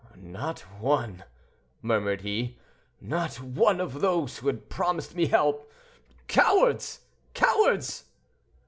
"No one," murmured he; "not one of those who had promised me help. Cowards! cowards!"